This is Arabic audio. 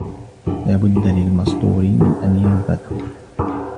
لا بد للمصدور من أن ينفث